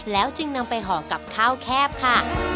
แล้วจึงนำไปห่อกับข้าวแคบค่ะ